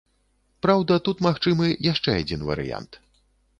Праўда, тут магчымы яшчэ адзін варыянт.